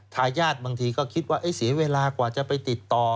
ทายาทบางทีก็คิดว่าเสียเวลากว่าจะไปติดต่อ